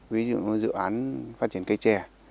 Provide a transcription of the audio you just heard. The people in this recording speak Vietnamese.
ví dụ như dự án phát triển cây trè